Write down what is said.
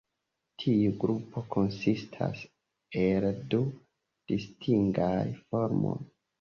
Tiu grupo konsistas el du distingaj formoj.